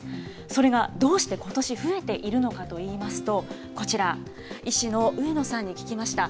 それがどうしてことし、増えているのかといいますと、こちら、医師の上野さんに聞きました。